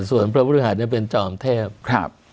ส่วนพระฤหัสเนี่ยเป็นจอมเทพ